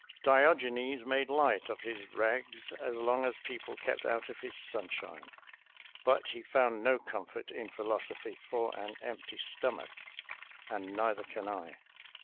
Diogenes made light of his rags as long as people kept out of his sunshine, but he found no comfort in philosophy for an empty stomach, and neither can I.